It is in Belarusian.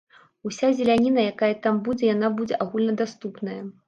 Уся зеляніна, якая там будзе, яна будзе агульнадаступная.